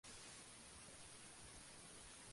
Las Candelas.